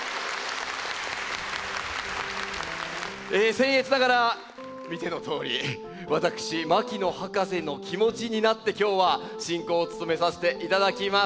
せん越ながら見てのとおり私牧野博士の気持ちになって今日は進行を務めさせていただきます。